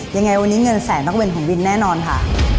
ยังไงวันนี้เงินแสนต้องเป็นของวินแน่นอนค่ะ